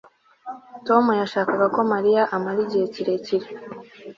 Tom yashakaga ko Mariya amara igihe kirekire